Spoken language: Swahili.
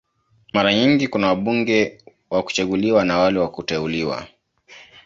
Mara nyingi kuna wabunge wa kuchaguliwa na wale wa kuteuliwa.